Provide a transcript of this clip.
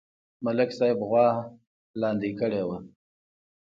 ملک صاحب غوا لاندې کړې وه